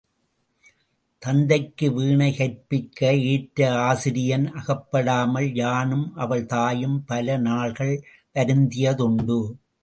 தத்தைக்கு வீணை கற்பிக்க ஏற்ற ஆசிரியன் அகப்படாமல் யானும் அவள் தாயும் பல நாள்கள் வருந்தியதுண்டு.